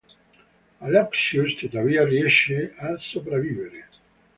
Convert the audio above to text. Alexios tuttavia riesce a sopravvivere.